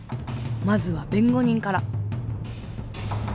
まずは弁護人から。